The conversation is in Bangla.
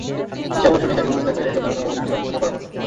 শেষে অবশ্য নিজের ভুল বুঝতে পেরে শোধরানোর অভিনয়ও চোখে পড়ার মতো।